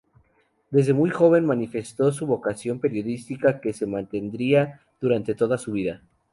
Desde muy joven manifestó su vocación periodística, que se mantendría durante toda su vida.